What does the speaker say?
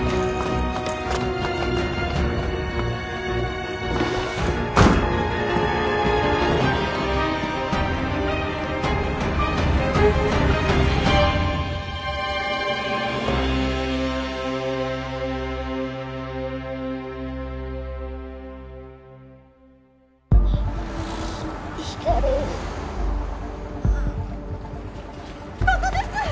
ここです！